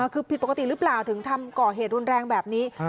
คือผิดปกติหรือเปล่าถึงทำก่อเหตุรุนแรงแบบนี้